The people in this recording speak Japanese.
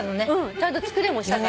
ちゃんと作れもしたから。